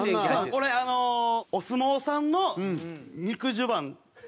これあのお相撲さんの肉襦袢。